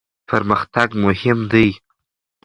پرمختګ مهم دی.